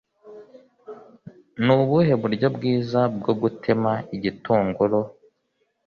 Nubuhe buryo bwiza bwo gutema igitunguru?